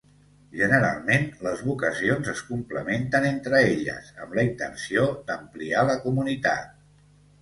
Generalment, les vocacions es complementen entre elles, amb la intenció d'ampliar la comunitat.